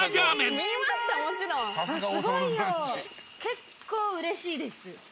結構うれしいです。